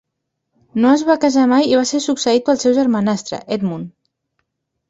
No es va casar mai i va ser succeït pel seu germanastre, Edmund.